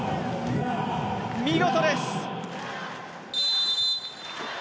見事です！